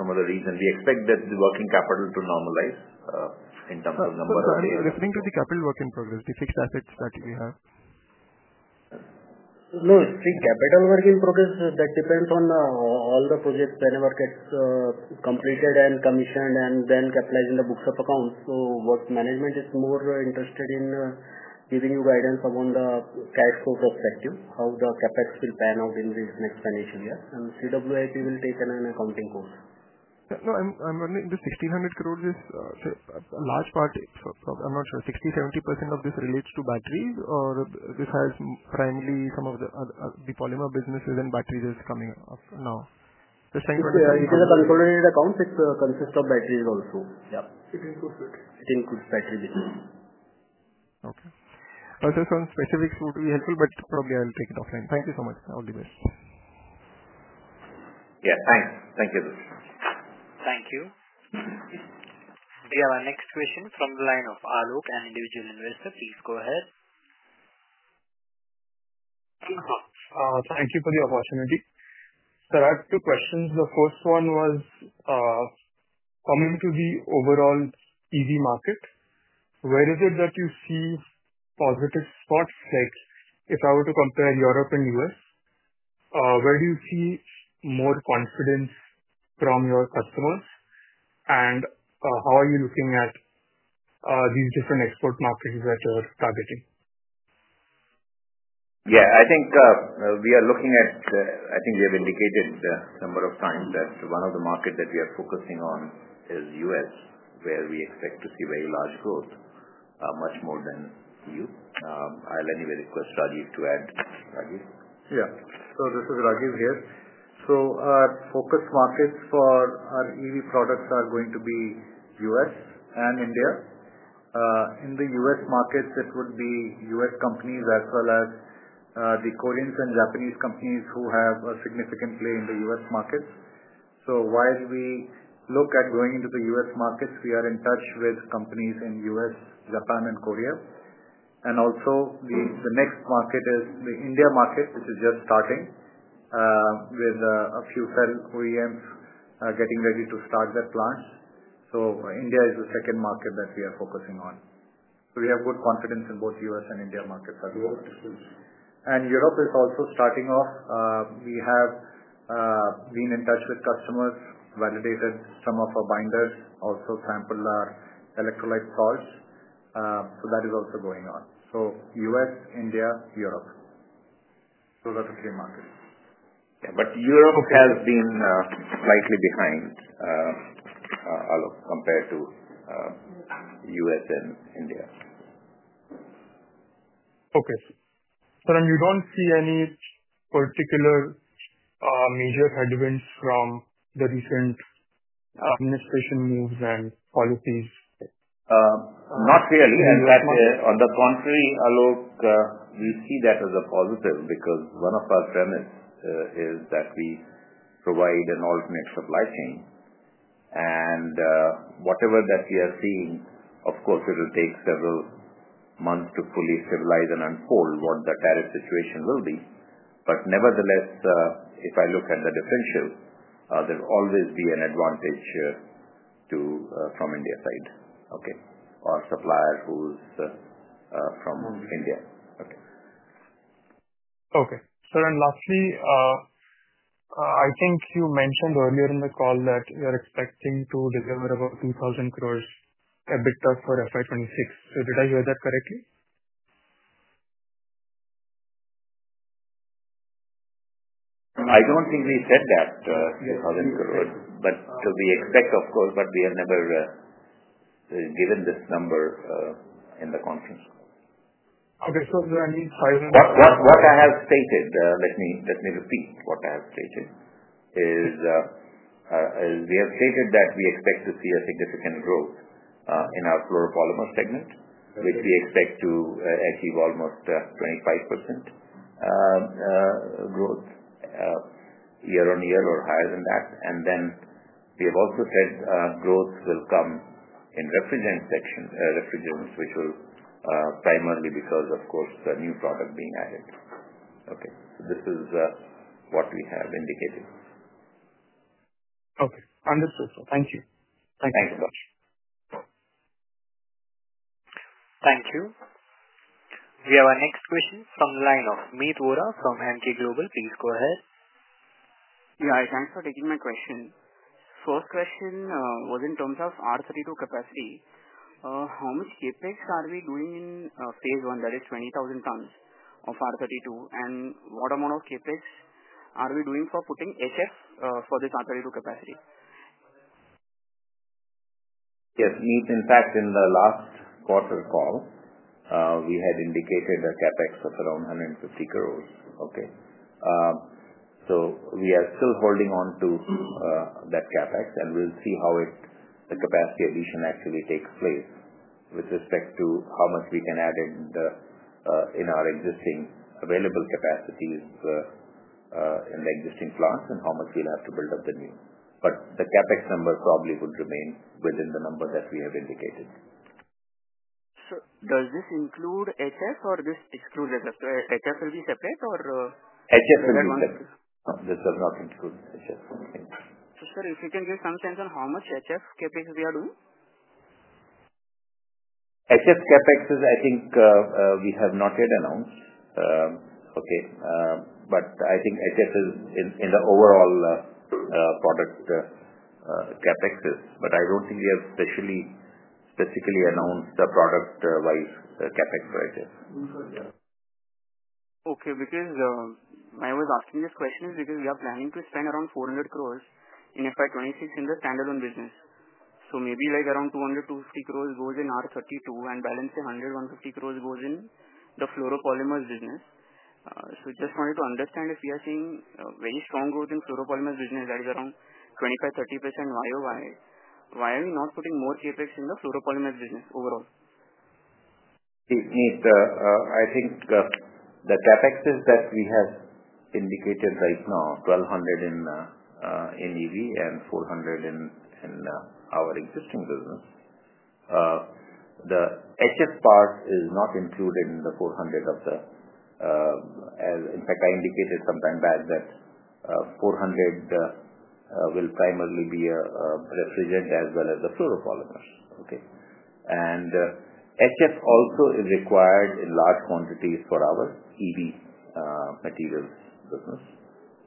some of the reason we expect that the working capital to normalize in terms of number of days. Sir, referring to the capital work in progress, the fixed assets that we have. No, it's the capital work in progress that depends on all the projects whenever it gets completed and commissioned and then capitalized in the books of accounts. What management is more interested in giving you guidance upon is the cash flow perspective, how the CapEx will pan out in this next financial year. CWIP will take an accounting course. No, I'm wondering, the 1,600 crore, a large part, I'm not sure, 60%-70% of this relates to batteries, or this has primarily some of the polymer businesses and batteries is coming up now? Just trying to understand. It is a consolidated account. It consists of batteries also. Yeah. It includes batteries. It includes battery business. Okay. Sir, some specifics would be helpful, but probably I'll take it offline. Thank you so much. All the best. Yes. Thanks. Thank you, Dhruv. Thank you. We have our next question from the line of Arun, an individual investor. Please go ahead. Thank you for the opportunity. Sir, I have two questions. The first one was coming to the overall EV market. Where is it that you see positive spots? If I were to compare Europe and U.S., where do you see more confidence from your customers? How are you looking at these different export markets that you're targeting? Yeah. I think we are looking at, I think we have indicated a number of times that one of the markets that we are focusing on is the U.S., where we expect to see very large growth, much more than the EU. I'll anyway request Rajiv to add. Rajiv? Yeah. This is Rajiv here. Our focus markets for our EV products are going to be U.S. and India. In the U.S. markets, it would be U.S. companies as well as the Koreans and Japanese companies who have a significant play in the U.S. markets. While we look at going into the U.S. markets, we are in touch with companies in U.S., Japan, and Korea. The next market is the India market, which is just starting with a few OEMs getting ready to start their plants. India is the second market that we are focusing on. We have good confidence in both U.S. and India markets as well. Europe is also starting off. We have been in touch with customers, validated some of our binders, also sampled our electrolyte salts. That is also going on. U.S., India, Europe. Those are the three markets. Yeah. Europe has been slightly behind compared to U.S. and India. Okay. Sir, and you don't see any particular major headwinds from the recent administration moves and policies? Not really. In fact, on the contrary, we see that as a positive because one of our premises is that we provide an alternate supply chain. Whatever that we are seeing, of course, it will take several months to fully stabilize and unfold what the tariff situation will be. Nevertheless, if I look at the differential, there will always be an advantage from India side, or supplier who's from India. Okay. Sir, and lastly, I think you mentioned earlier in the call that you're expecting to deliver about 2,000 crore EBITDA for FY 2026. Did I hear that correctly? I don't think we said that, INR 1,000 crore. We expect, of course, but we have never given this number in the conference. Okay. Sir, I mean, 1,000 crore. What I have stated, let me repeat what I have stated, is we have stated that we expect to see a significant growth in our fluoropolymers segment, which we expect to achieve almost 25% growth year on year or higher than that. We have also said growth will come in refrigerants, which will primarily be because, of course, new product being added. Okay. This is what we have indicated. Okay. Understood. Thank you. Thank you so much. Thank you. We have our next question from the line of Meet Vora from Emkay Global. Please go ahead. Yeah. I thank you for taking my question. First question was in terms of R32 capacity. How much CapEx are we doing in phase one, that is 20,000 tons of R32? And what amount of CapEx are we doing for putting HF for this R32 capacity? Yes. In fact, in the last quarter call, we had indicated a CapEx of around 150 crore. Okay. We are still holding on to that CapEx, and we will see how the capacity addition actually takes place with respect to how much we can add in our existing available capacities in the existing plants and how much we will have to build up the new. The CapEx number probably would remain within the number that we have indicated. Sir, does this include HF, or this excludes HF? HF will be separate, or? HF will be separate. This does not include HF. Sir, if you can give some sense on how much HF CapEx we are doing? HF CapEx is, I think we have not yet announced. Okay. I think HF is in the overall product CapExes. I do not think we have specifically announced the product-wise CapEx rate. Okay. I was asking this question because we are planning to spend around 400 crore in FY2026 in the standalone business. Maybe around 200 crore-250 crore goes in R32 and the balance 100 crore-150 crore goes in the fluoropolymers business. I just wanted to understand if we are seeing very strong growth in the fluoropolymers business, that is around 25%-30% YoY. Why are we not putting more CapEx in the fluoropolymers business overall? Meet, I think the CapEx is that we have indicated right now, 1,200 crore in EV and 400 crore in our existing business. The HF part is not included in the 400 crore of the in fact, I indicated some time back that 400 crore will primarily be refrigerant as well as the fluoropolymers. Okay. And HF also is required in large quantities for our EV materials business.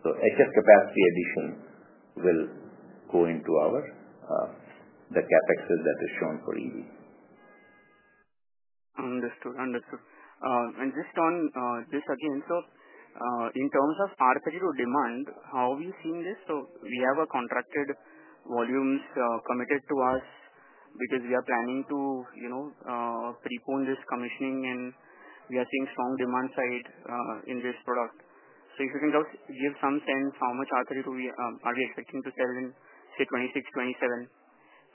So HF capacity addition will go into the CapEx that is shown for EV. Understood. Understood. And just again, sir, in terms of R32 demand, how have you seen this? We have contracted volumes committed to us because we are planning to prepone this commissioning, and we are seeing strong demand side in this product. If you can just give some sense how much R32 are we expecting to sell in, say, 2026, 2027,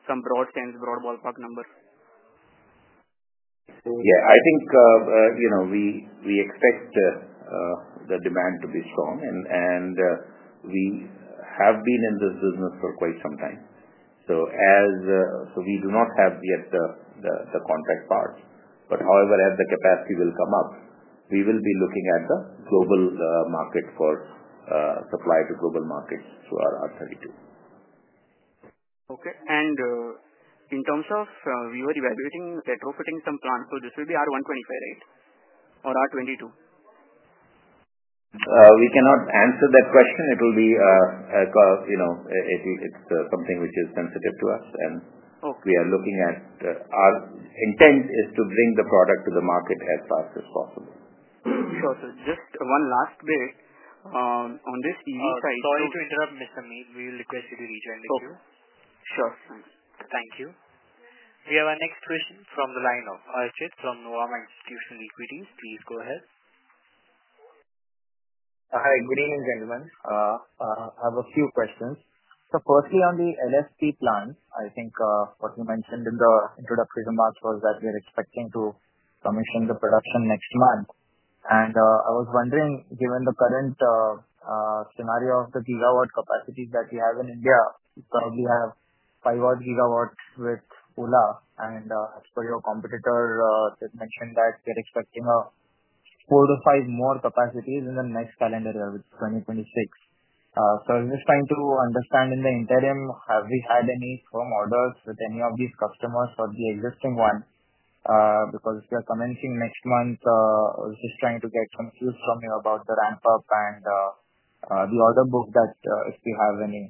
some broad sense, broad ballpark number? Yeah. I think we expect the demand to be strong, and we have been in this business for quite some time. We do not have yet the contract part. However, as the capacity will come up, we will be looking at the global market for supply to global markets through our R32. Okay. In terms of we were evaluating retrofitting some plants, this will be R125, right? Or R22? We cannot answer that question. It is something which is sensitive to us, and we are looking at our intent is to bring the product to the market as fast as possible. Sure. Just one last bit on this EV side. Sorry to interrupt, Mr. Meet Vora. We will request you to rejoin the queue. Sure. Thank you. We have our next question from the line of Archit from Nuvama Institutional Equities. Please go ahead. Hi. Good evening, gentlemen. I have a few questions. Firstly, on the LFP plants, I think what you mentioned in the introductory remarks was that we are expecting to commission the production next month. I was wondering, given the current scenario of the gigawatt capacities that we have in India, we probably have 500 gigawatts with Ola. As per your competitor, they mentioned that they are expecting four to five more capacities in the next calendar year, which is 2026. I am just trying to understand in the interim, have we had any firm orders with any of these customers or the existing one? Because if we are commencing next month, I was just trying to get some cues from you about the ramp-up and the order book, if you have any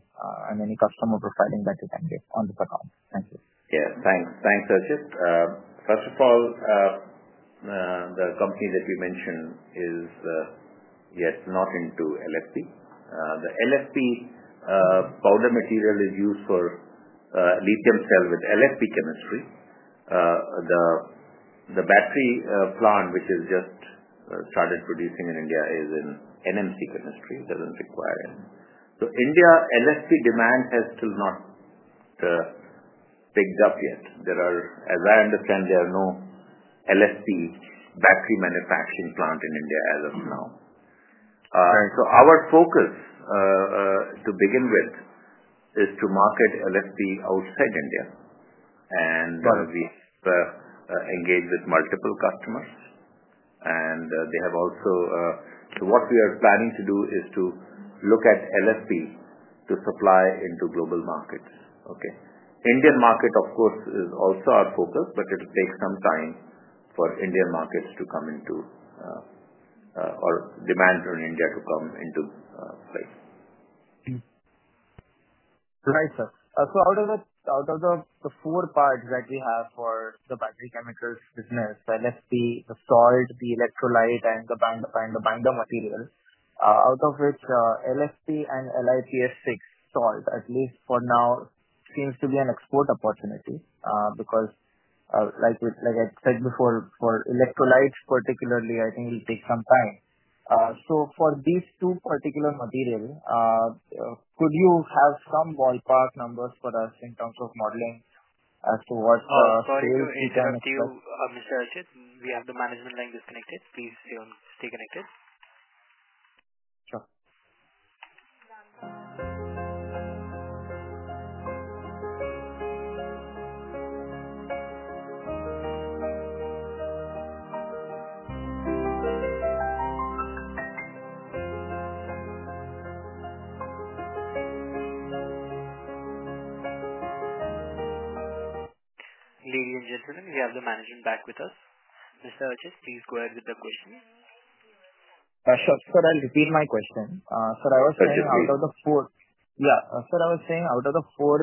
customer profiling that you can give on this account. Thank you. Yeah. Thanks. Thanks, Archit. First of all, the company that you mentioned is yet not into LFP. The LFP powder material is used for lithium cell with LFP chemistry. The battery plant, which has just started producing in India, is in NMC chemistry. It does not require any. India LFP demand has still not picked up yet. As I understand, there are no LFP battery manufacturing plant in India as of now. Our focus to begin with is to market LFP outside India. We have engaged with multiple customers. What we are planning to do is to look at LFP to supply into global markets. Indian market, of course, is also our focus, but it will take some time for Indian markets to come into or demand from India to come into place. Right. Out of the four parts that we have for the battery chemicals business, LFP, the salt, the electrolyte, and the binder material, out of which LFP and LiPF6 salt, at least for now, seems to be an export opportunity because, like I said before, for electrolytes particularly, I think it will take some time. For these two particular materials, could you have some ballpark numbers for us in terms of modeling as to what the sales demand? Sorry to interrupt you, Mr. Archit. We have the management line disconnected. Please stay connected. Sure. Ladies and gentlemen, we have the management back with us. Mr. Archit, please go ahead with the question. Sure. Sir, I'll repeat my question. Sir, I was saying out of the four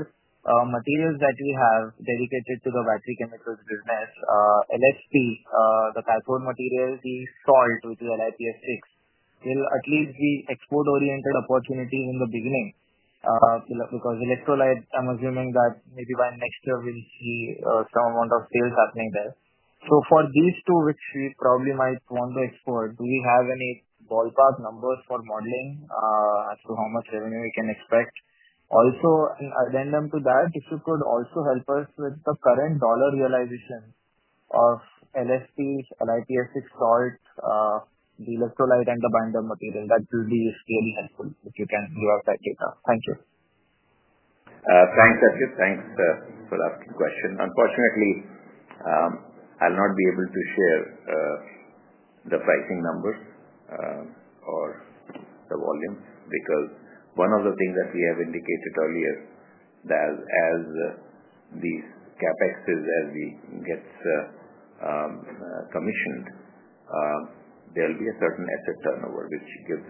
materials that we have dedicated to the battery chemicals business, LFP, the cathode materials, the salt, which is LiPF6, will at least be export-oriented opportunities in the beginning because electrolyte, I'm assuming that maybe by next year, we'll see some amount of sales happening there. For these two, which we probably might want to export, do we have any ballpark numbers for modeling as to how much revenue we can expect? Also, in addendum to that, if you could also help us with the current dollar realization of LFP, LiPF6 salt, the electrolyte, and the binder material, that will be really helpful if you can give us that data. Thank you. Thanks, Archit. Thanks for asking the question. Unfortunately, I'll not be able to share the pricing numbers or the volumes because one of the things that we have indicated earlier is that as these CapExes, as we get commissioned, there will be a certain asset turnover, which gives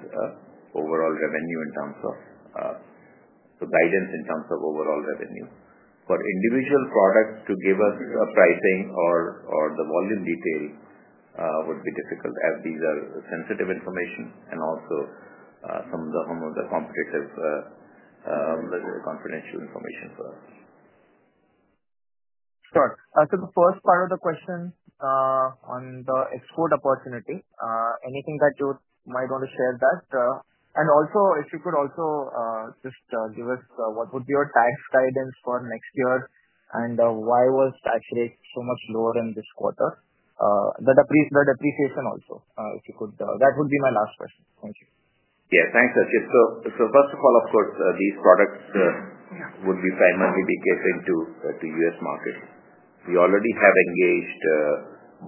overall revenue in terms of the guidance in terms of overall revenue. For individual products to give us a pricing or the volume detail would be difficult as these are sensitive information and also some of the competitive confidential information for us. Sure. The first part of the question on the export opportunity, anything that you might want to share that? Also, if you could just give us what would be your tax guidance for next year and why was tax rate so much lower in this quarter? The depreciation also, if you could. That would be my last question. Thank you. Yeah. Thanks, Archit. First of all, of course, these products would primarily be catering to the U.S. market. We already have engaged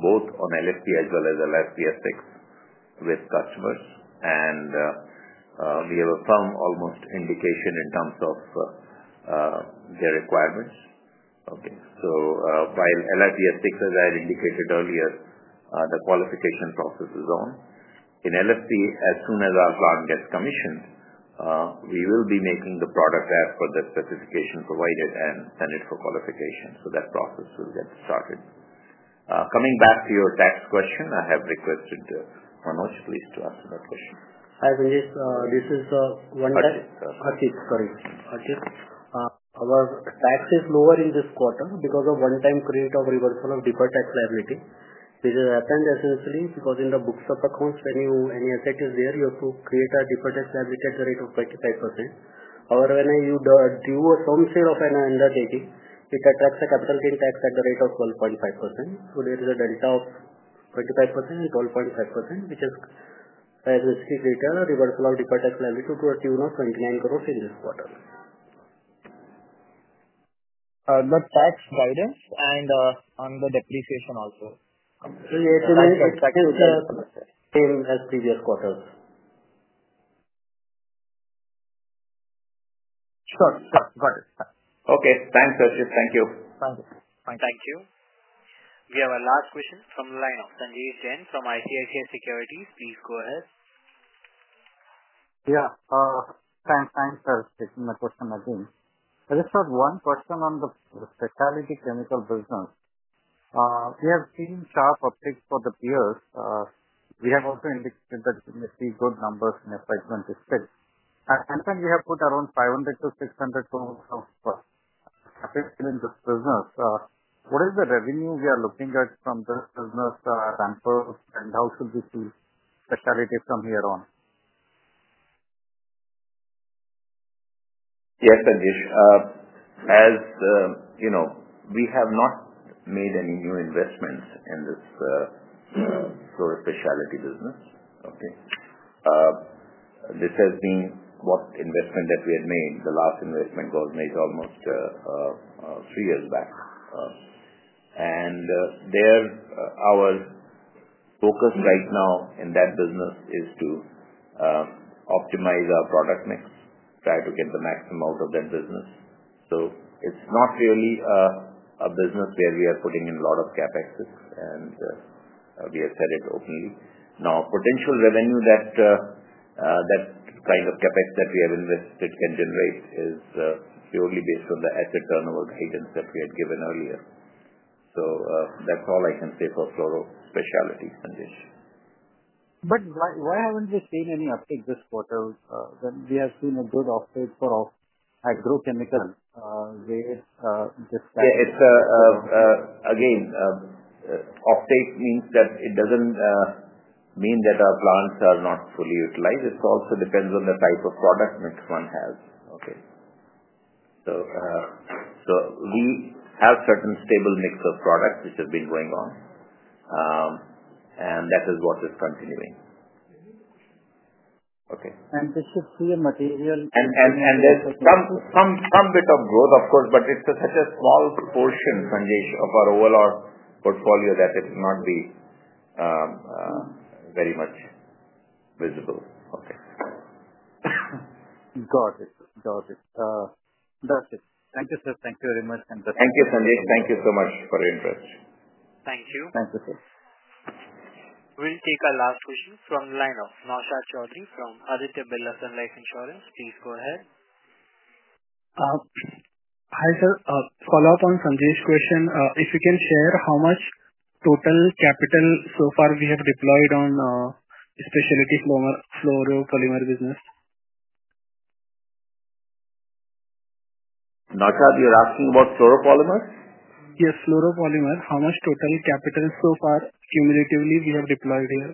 both on LFP as well as LiPF6 with customers, and we have a firm almost indication in terms of their requirements. Okay. While LiPF6, as I had indicated earlier, the qualification process is on. In LFP, as soon as our plant gets commissioned, we will be making the product as per the specification provided and send it for qualification. That process will get started. Coming back to your tax question, I have requested Manoj, please, to answer that question. Hi, Ranjit. This is one time. Archit. Sorry. Our tax is lower in this quarter because of one-time create of reversal of deferred tax liability, which has happened essentially because in the books of accounts, any asset is there, you have to create a deferred tax liability at the rate of 25%. However, when you do some sale of an undertaking, it attracts a capital gain tax at the rate of 12.5%. So there is a delta of 25% and 12.5%, which is a reversal of deferred tax liability to a tune of INR 29 crore in this quarter. The tax guidance and on the depreciation also? Yeah. It's the same. Same as previous quarters. Sure. Sure. Got it. Okay. Thanks, Archit. Thank you. Thank you. Thank you. We have our last question from the line of Sanjesh Jain from ICICI Securities. Please go ahead. Yeah. Thanks. Thanks for taking the question again. Just one question on the specialty chemical business. We have seen sharp uptick for the peers. We have also indicated that we see good numbers in FY2026. At some time, we have put around 500 crore-600 crore of capital in this business. What is the revenue we are looking at from this business? Example, and how should we see specialty from here on? Yes, Sanjesh. As we have not made any new investments in this fluoro-specialities business. Okay. This has been what investment that we had made. The last investment was made almost three years back. Our focus right now in that business is to optimize our product mix, try to get the maximum out of that business. It is not really a business where we are putting in a lot of CapEx, and we have said it openly. Now, potential revenue that kind of CapEx that we have invested can generate is purely based on the asset turnover guidance that we had given earlier. That is all I can say for fluoro-specialities, Sanjesh. Why haven't we seen any uptick this quarter when we have seen a good uptake for agrochemicals? Yeah. Again, uptake means that it does not mean that our plants are not fully utilized. It also depends on the type of product mix one has. Okay. We have certain stable mix of products, which has been going on, and that is what is continuing. Okay. This is pure material. There's some bit of growth, of course, but it's such a small portion, Sanjesh, of our overall portfolio that it will not be very much visible. Okay. Got it. Got it. That's it. Thank you, sir. Thank you very much. Thank you, Sanjesh. Thank you so much for your interest. Thank you. Thank you, sir. We'll take our last question from the line of Naushad Chaudry from Aditya Birla Sun Life Insurance. Please go ahead. Hi, sir. Follow-up on Sanjesh's question. If you can share how much total capital so far we have deployed on specialty fluoropolymer business. Nawshad, you're asking about fluoropolymer? Yes. Fluoropolymer. How much total capital so far cumulatively we have deployed here?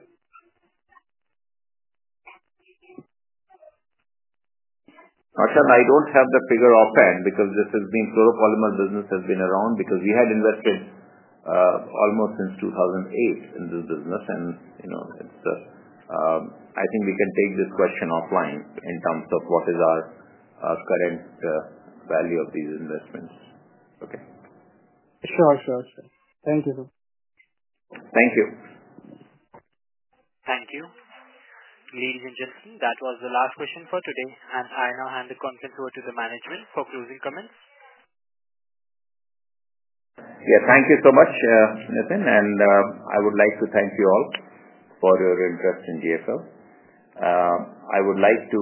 Archit, I don't have the figure offhand because this fluoropolymer business has been around because we had invested almost since 2008 in this business. I think we can take this question offline in terms of what is our current value of these investments. Okay. Sure. Thank you. Thank you. Thank you. Ladies and gentlemen, that was the last question for today. I now hand the conference over to the management for closing comments. Yeah. Thank you so much, Nitin. I would like to thank you all for your interest in GFL. I would like to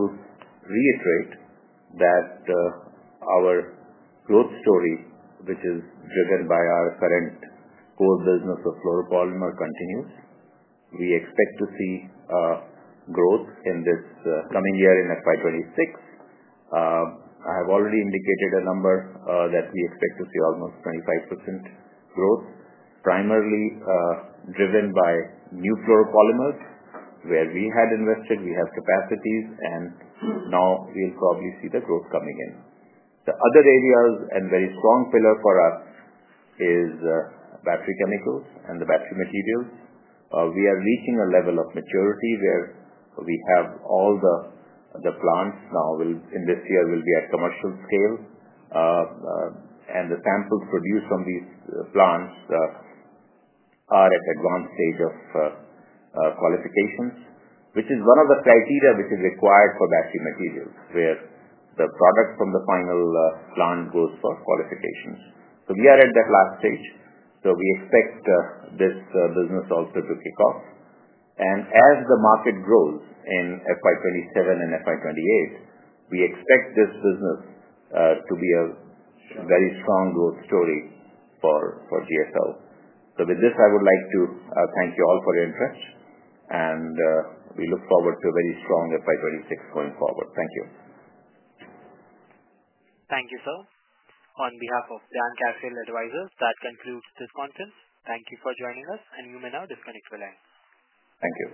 reiterate that our growth story, which is driven by our current core business of fluoropolymer, continues. We expect to see growth in this coming year in FY 2026. I have already indicated a number that we expect to see almost 25% growth, primarily driven by new fluoropolymer where we had invested. We have capacities, and now we will probably see the growth coming in. The other areas and very strong pillar for us is battery chemicals and the battery materials. We are reaching a level of maturity where we have all the plants now. In this year, we'll be at commercial scale, and the samples produced from these plants are at advanced stage of qualifications, which is one of the criteria which is required for battery materials where the product from the final plant goes for qualifications. We are at that last stage. We expect this business also to kick off. As the market grows in FY2027 and FY2028, we expect this business to be a very strong growth story for GFL. With this, I would like to thank you all for your interest, and we look forward to a very strong FY2026 going forward. Thank you. Thank you, sir. On behalf of DAM Capital Advisors, that concludes this conference. Thank you for joining us, and you may now disconnect your line. Thank you.